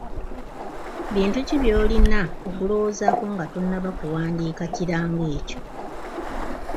Bintu ki by'olina okulowoozaako nga tonnaba kuwandiika kirango ekyo?